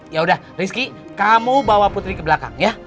ya udah rizky kamu bawa putri ke belakang ya